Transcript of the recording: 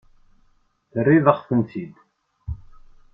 Terriḍ-aɣ-tent-id.